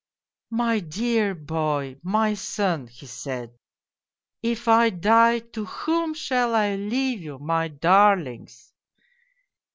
"' My dear boy, my son,' he said, ' if I die, to whom shall I leave you, my darlings